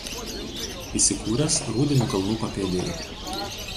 Įsikūręs Rūdinių kalnų papėdėje.